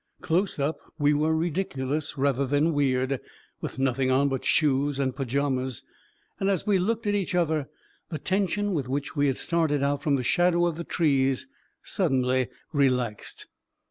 Close up, we were ridiculous rather than weird, with nothing on but shoes and pajamas; and, as we looked at each other, the tension with which we had started out from the shadow of the trees suddenly relaxed.